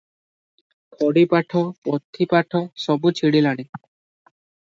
ଖଡ଼ିପାଠ, ପୋଥିପାଠ ସବୁ ଛିଡ଼ିଲାଣି ।